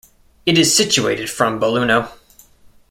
It is situated from Belluno.